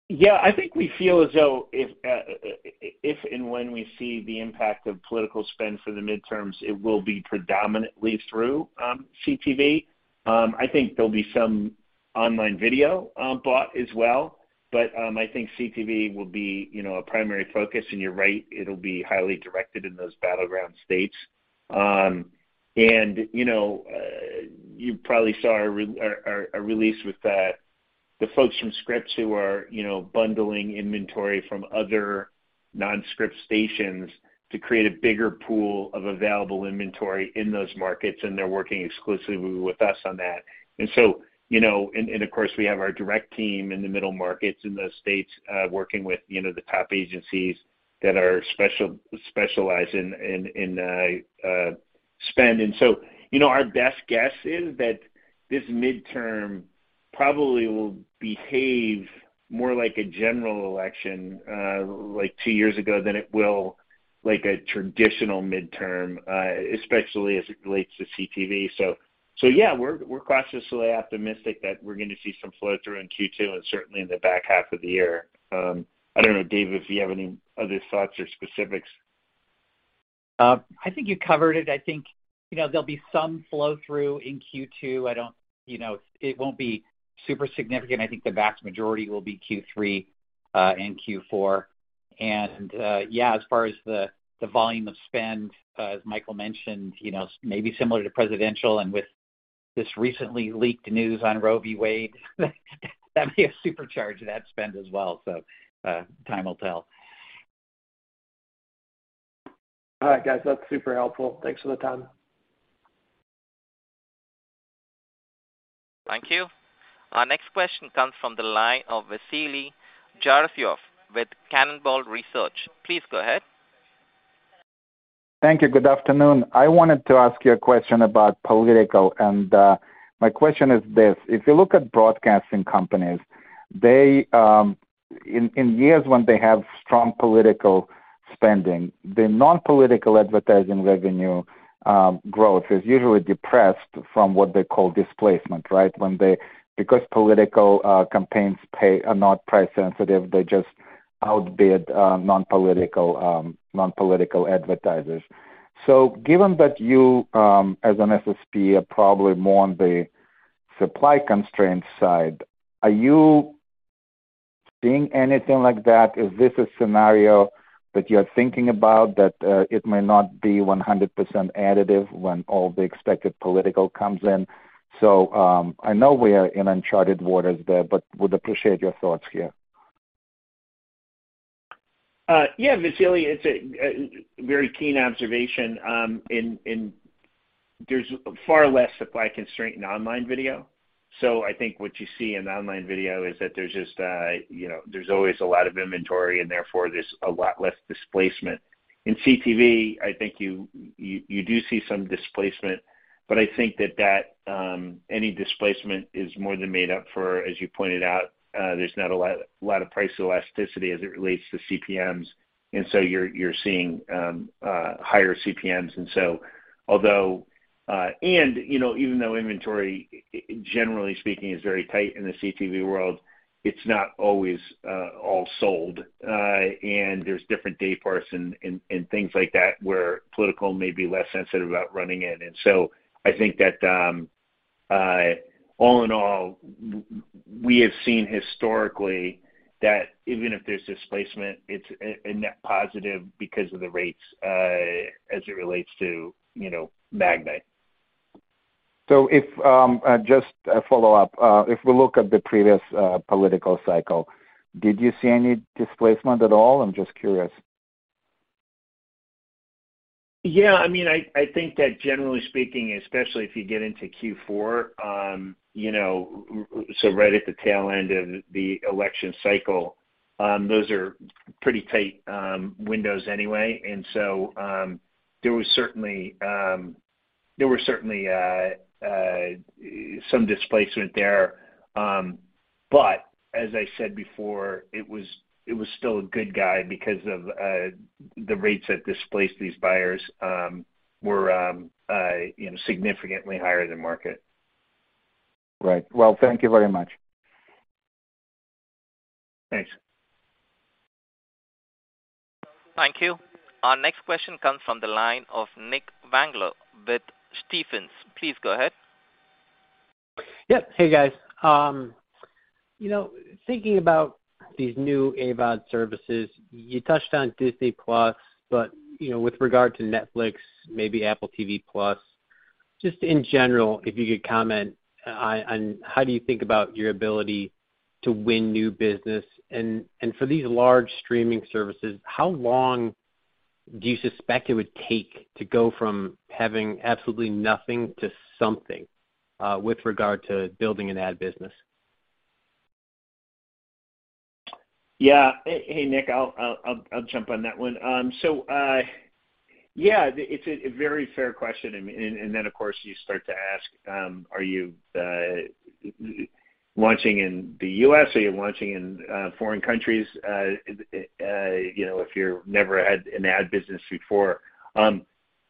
Yeah. I think we feel as though if and when we see the impact of political spend for the midterms, it will be predominantly through CTV. I think there'll be some online video bought as well, but I think CTV will be, you know, a primary focus. You're right, it'll be highly directed in those battleground states. You probably saw our release with that. The folks from Scripps who are, you know, bundling inventory from other non-Scripps stations to create a bigger pool of available inventory in those markets, and they're working exclusively with us on that. You know, of course, we have our direct team in the middle markets in those states, working with, you know, the top agencies that are specialized in spend. You know, our best guess is that this midterm probably will behave more like a general election like two years ago than it will like a traditional midterm, especially as it relates to CTV. Yeah, we're cautiously optimistic that we're gonna see some flow-through in Q2 and certainly in the back half of the year. I don't know, Dave, if you have any other thoughts or specifics. I think you covered it. I think, you know, there'll be some flow-through in Q2. I don't. You know, it won't be super significant. I think the vast majority will be Q3 and Q4. Yeah, as far as the volume of spend, as Michael mentioned, you know, maybe similar to presidential and with this recently leaked news on Roe v. Wade, that may have supercharged that spend as well. Time will tell. All right, guys. That's super helpful. Thanks for the time. Thank you. Our next question comes from the line of Vasily Karasyov with Cannonball Research. Please go ahead. Thank you. Good afternoon. I wanted to ask you a question about political. My question is this: if you look at broadcasting companies, they in years when they have strong political spending, the non-political advertising revenue growth is usually depressed from what they call displacement, right? Because political campaigns payers are not price sensitive, they just outbid non-political advertisers. Given that you as an SSP are probably more on the supply constraint side, are you seeing anything like that? Is this a scenario that you're thinking about that it may not be 100% additive when all the expected political comes in? I know we are in uncharted waters there, but would appreciate your thoughts here. Yeah, Vasily. It's a very keen observation, and there's far less supply constraint in online video. I think what you see in online video is that there's just, you know, there's always a lot of inventory, and therefore there's a lot less displacement. In CTV, I think you do see some displacement, but I think that any displacement is more than made up for, as you pointed out. There's not a lot of price elasticity as it relates to CPMs, and you're seeing higher CPMs. Although, you know, even though inventory, generally speaking, is very tight in the CTV world, it's not always all sold. There's different day parts and things like that where political may be less sensitive about running it. I think that, all in all, we have seen historically that even if there's displacement, it's a net positive because of the rates, as it relates to, you know, Magnite. If just a follow-up. If we look at the previous political cycle, did you see any displacement at all? I'm just curious. Yeah. I mean, I think that generally speaking, especially if you get into Q4, you know, so right at the tail end of the election cycle, those are pretty tight windows anyway. There were certainly some displacement there. But as I said before, it was still a good guide because of the rates that displaced these buyers were, you know, significantly higher than market. Right. Well, thank you very much. Thanks. Thank you. Our next question comes from the line of Nicholas Zangler with Stephens. Please go ahead. Yep. Hey, guys. You know, thinking about these new AVOD services, you touched on Disney+, but you know, with regard to Netflix, maybe Apple TV+, just in general, if you could comment on how do you think about your ability to win new business? For these large streaming services, how long do you suspect it would take to go from having absolutely nothing to something with regard to building an ad business? Yeah. Hey, Nick, I'll jump on that one. Yeah, it's a very fair question. Then, of course, you start to ask, are you launching in the US, are you launching in foreign countries, you know, if you've never had an ad business before?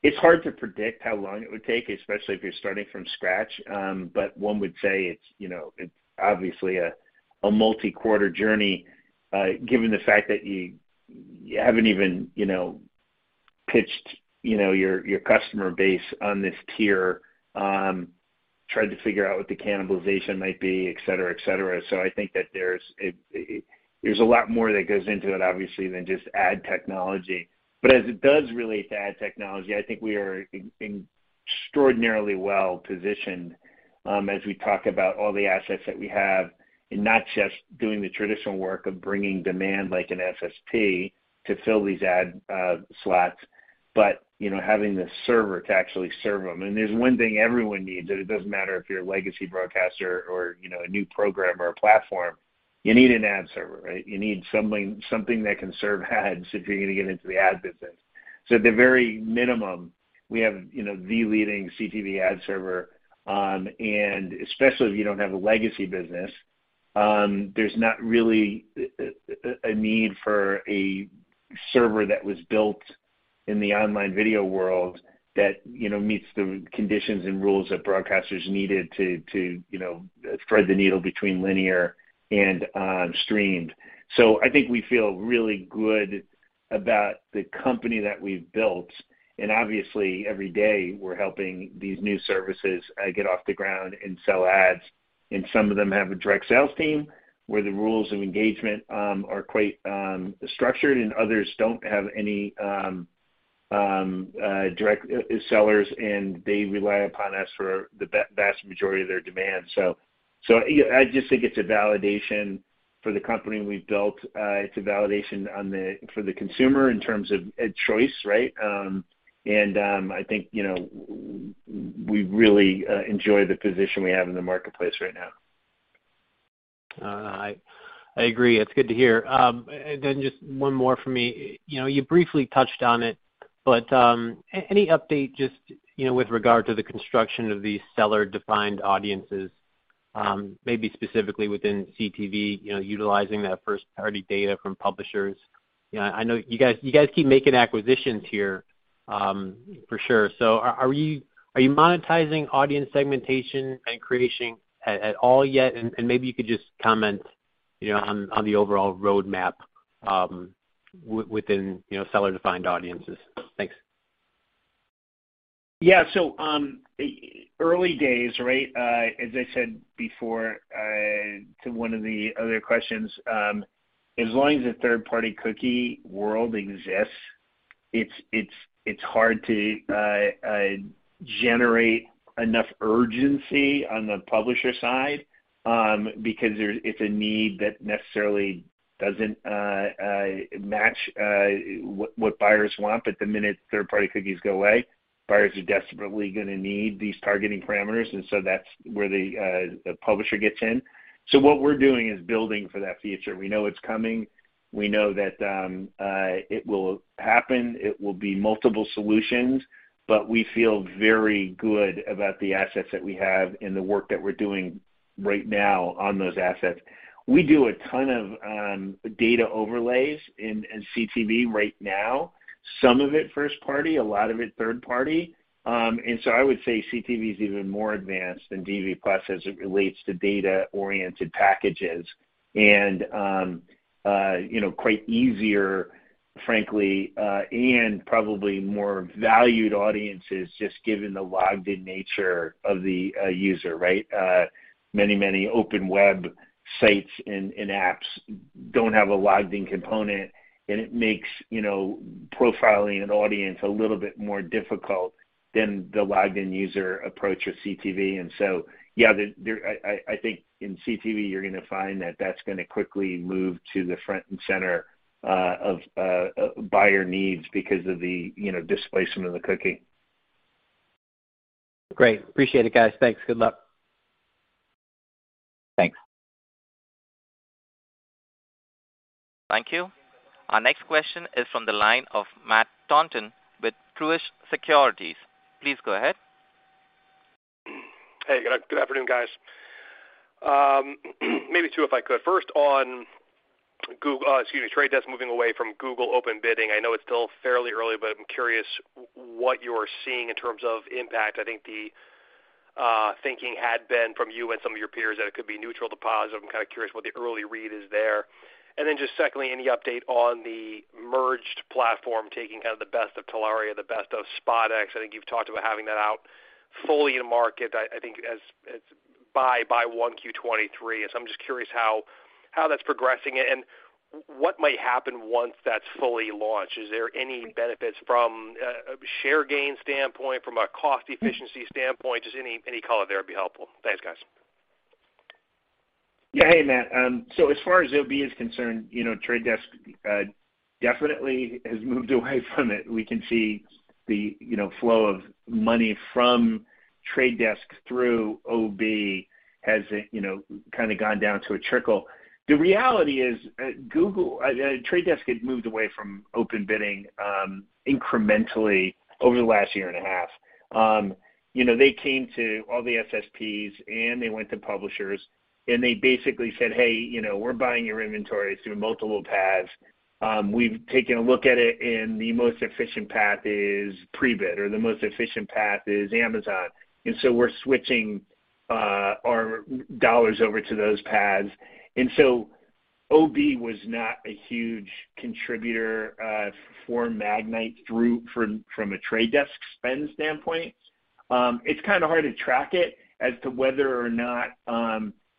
It's hard to predict how long it would take, especially if you're starting from scratch. One would say it's, you know, it's obviously a multi-quarter journey, given the fact that you haven't even, you know, pitched, you know, your customer base on this tier, tried to figure out what the cannibalization might be, et cetera. I think that there's a lot more that goes into it, obviously, than just ad technology. As it does relate to ad technology, I think we are extraordinarily well-positioned, as we talk about all the assets that we have, and not just doing the traditional work of bringing demand like an SSP to fill these ad slots, but, you know, having the server to actually serve them. There's one thing everyone needs, and it doesn't matter if you're a legacy broadcaster or, you know, a new programmer or platform, you need an ad server, right? You need something that can serve ads if you're gonna get into the ad business. At the very minimum, we have, you know, the leading CTV ad server, and especially if you don't have a legacy business, there's not really a need for a server that was built in the online video world that, you know, meets the conditions and rules that broadcasters needed to, you know, thread the needle between linear and streamed. I think we feel really good about the company that we've built. Obviously, every day, we're helping these new services get off the ground and sell ads, and some of them have a direct sales team where the rules of engagement are quite structured, and others don't have any direct sellers, and they rely upon us for the vast majority of their demand. I just think it's a validation for the company we've built. It's a validation for the consumer in terms of a choice, right? I think, you know, we really enjoy the position we have in the marketplace right now. I agree. It's good to hear. Then just one more for me. You know, you briefly touched on it, but any update just, you know, with regard to the construction of these seller-defined audiences, maybe specifically within CTV, you know, utilizing that first-party data from publishers? You know, I know you guys keep making acquisitions here, for sure. Are you monetizing audience segmentation and creation at all yet? Maybe you could just comment, you know, on the overall roadmap within seller-defined audiences. Thanks. Early days, right? As I said before, to one of the other questions, as long as the third-party cookie world exists, it's hard to generate enough urgency on the publisher side, because there's a need that necessarily doesn't match what buyers want. The minute third-party cookies go away, buyers are desperately gonna need these targeting parameters. That's where the publisher gets in. What we're doing is building for that future. We know it's coming. We know that it will happen. It will be multiple solutions, but we feel very good about the assets that we have and the work that we're doing right now on those assets. We do a ton of data overlays in CTV right now, some of it first party, a lot of it third party. I would say CTV is even more advanced than DV+ as it relates to data-oriented packages. You know, quite easier, frankly, and probably more valued audiences just given the logged in nature of the user, right? Many open web sites and apps don't have a logged in component, and it makes you know, profiling an audience a little bit more difficult than the logged in user approach with CTV. Yeah, I think in CTV, you're gonna find that that's gonna quickly move to the front and center of buyer needs because of the you know, displacement of the cookie. Great. Appreciate it, guys. Thanks. Good luck. Thanks. Thank you. Our next question is from the line of Matthew Thornton with Truist Securities. Please go ahead. Hey, good afternoon, guys. Maybe two if I could. First on, excuse me, The Trade Desk moving away from Google Open bidding. I know it's still fairly early, but I'm curious what you are seeing in terms of impact. I think the thinking had been from you and some of your peers that it could be neutral to positive. I'm kinda curious what the early read is there. Then just secondly, any update on the merged platform taking kind of the best of Telaria, the best of SpotX. I think you've talked about having that out fully in market. I think by Q1 2023. I'm just curious how that's progressing and what might happen once that's fully launched. Is there any benefits from a share gain standpoint, from a cost efficiency standpoint? Just any color there would be helpful. Thanks, guys. Yeah. Hey, Matt. So as far as OB is concerned, you know, The Trade Desk definitely has moved away from it. We can see the, you know, flow of money from The Trade Desk through OB has, you know, kinda gone down to a trickle. The reality is, Google, The Trade Desk had moved away from open bidding incrementally over the last year and a half. You know, they came to all the SSPs and they went to publishers, and they basically said, "Hey, you know, we're buying your inventories through multiple paths. We've taken a look at it, and the most efficient path is Prebid, or the most efficient path is Amazon." OB was not a huge contributor for Magnite from a Trade Desk spend standpoint. It's kinda hard to track it as to whether or not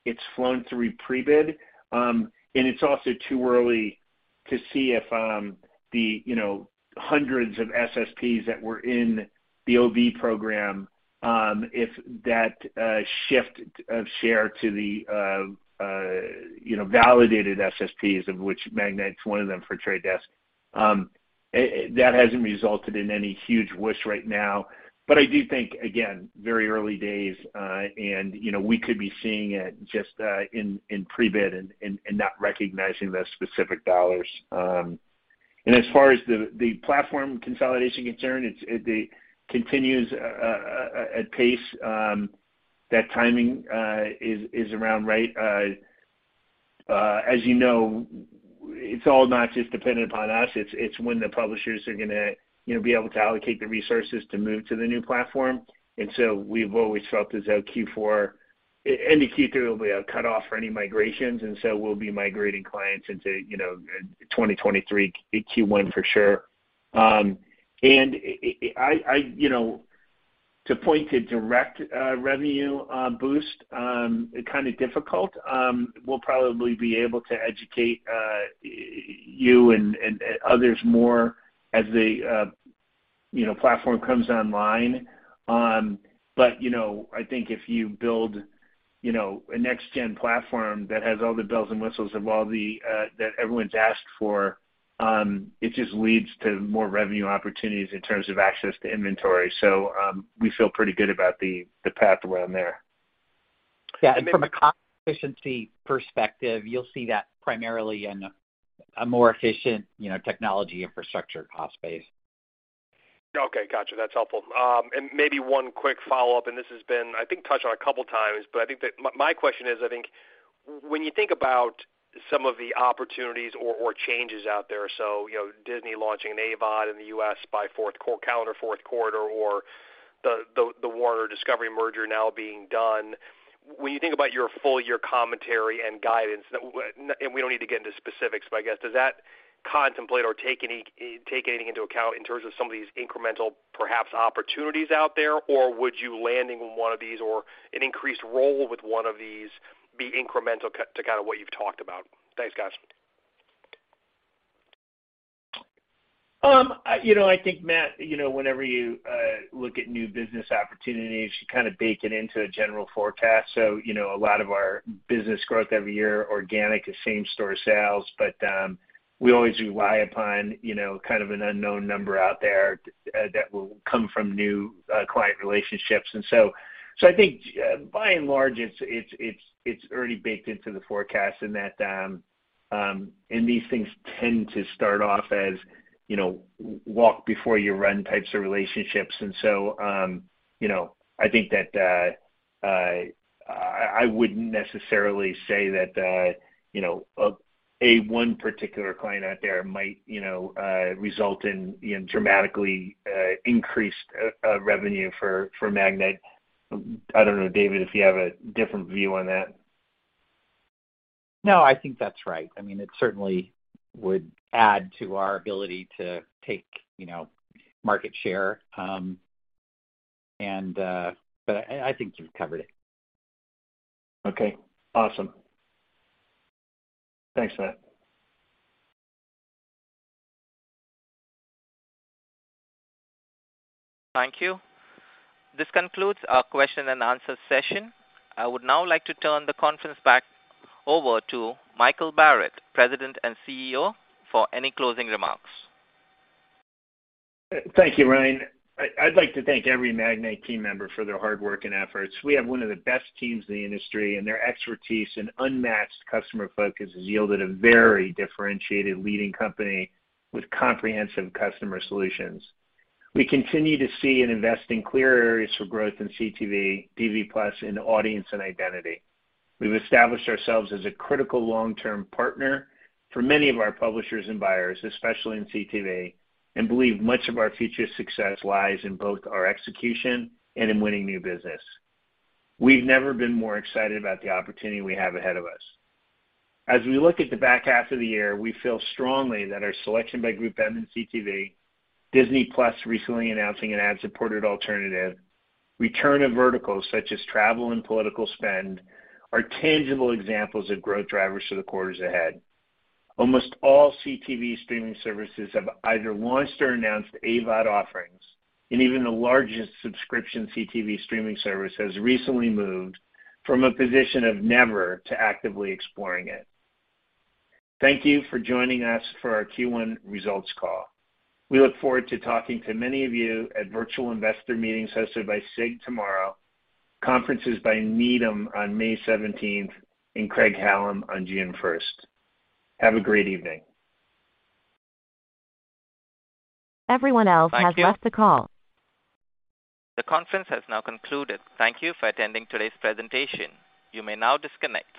it's flown through Prebid. It's also too early to see if the you know hundreds of SSPs that were in the OB program if that shift of share to the you know validated SSPs of which Magnite's one of them for The Trade Desk that hasn't resulted in any huge whoosh right now. I do think again very early days and you know we could be seeing it just in Prebid and not recognizing the specific dollars. As far as the platform consolidation is concerned it continues at pace. That timing is around right. As you know, it's all not just dependent upon us, it's when the publishers are gonna be able to allocate the resources to move to the new platform. We've always felt as though Q4, any Q3 will be a cutoff for any migrations. We'll be migrating clients into 2023 Q1 for sure. I you know to point to direct revenue boost kind of difficult. We'll probably be able to educate you and others more as the platform comes online. But I think if you build a next-gen platform that has all the bells and whistles of all that everyone's asked for, it just leads to more revenue opportunities in terms of access to inventory. We feel pretty good about the path around there. Yeah. From a cost efficiency perspective, you'll see that primarily in a more efficient, you know, technology infrastructure cost base. Okay. Gotcha. That's helpful. Maybe one quick follow-up, this has been, I think, touched on a couple times, but I think that my question is, I think when you think about some of the opportunities or changes out there, so, you know, Disney launching an AVOD in the U.S. by calendar fourth quarter or the Warner Bros. Discovery merger now being done. When you think about your full year commentary and guidance, and we don't need to get into specifics, but I guess, does that contemplate or take anything into account in terms of some of these incremental perhaps opportunities out there? Or would you landing on one of these or an increased role with one of these be incremental to kinda what you've talked about? Thanks, guys. You know, I think, Matt, you know, whenever you look at new business opportunities, you kinda bake it into a general forecast. You know, a lot of our business growth every year, organic is same-store sales, but we always rely upon, you know, kind of an unknown number out there that will come from new client relationships. So I think by and large, it's already baked into the forecast and that, and these things tend to start off as, you know, walk before you run types of relationships. You know, I think that I wouldn't necessarily say that, you know, a one particular client out there might, you know, result in, you know, dramatically increased revenue for Magnite. I don't know, David, if you have a different view on that. No, I think that's right. I mean, it certainly would add to our ability to take, you know, market share, but I think you've covered it. Okay. Awesome. Thanks, Matt. Thank you. This concludes our question and answer session. I would now like to turn the conference back over to Michael Barrett, President and CEO, for any closing remarks. Thank you, Ryan. I'd like to thank every Magnite team member for their hard work and efforts. We have one of the best teams in the industry, and their expertise and unmatched customer focus has yielded a very differentiated leading company with comprehensive customer solutions. We continue to see and invest in clear areas for growth in CTV, TV plus, and audience and identity. We've established ourselves as a critical long-term partner for many of our publishers and buyers, especially in CTV, and believe much of our future success lies in both our execution and in winning new business. We've never been more excited about the opportunity we have ahead of us. As we look at the back half of the year, we feel strongly that our selection by GroupM in CTV, Disney+ recently announcing an ad-supported alternative, return of verticals such as travel and political spend, are tangible examples of growth drivers for the quarters ahead. Almost all CTV streaming services have either launched or announced AVOD offerings, and even the largest subscription CTV streaming service has recently moved from a position of never to actively exploring it. Thank you for joining us for our Q1 results call. We look forward to talking to many of you at virtual investor meetings hosted by SIG tomorrow, conferences by Needham & Company on May seventeenth, and Craig-Hallum on June first. Have a great evening. Thank you. Everyone else has left the call. The conference has now concluded. Thank you for attending today's presentation. You may now disconnect.